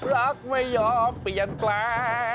รักไม่ยอมเปลี่ยนแปลง